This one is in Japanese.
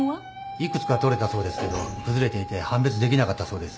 いくつか採れたそうですけど崩れていて判別できなかったそうです。